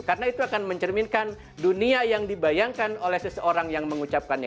karena itu akan mencerminkan dunia yang dibayangkan oleh seseorang yang mengucapkan itu